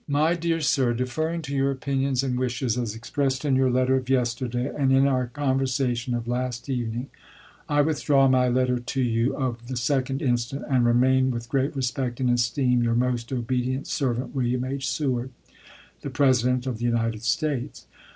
My Dear Sir : Deferring to your opinions and wishes as expressed in your letter of yesterday, and in our con versation of last evening, I withdraw my letter to you of the 2d instant, and remain, with great respect and esteem, Your most obedient servant, William H. Seward, ms. The President of the United States.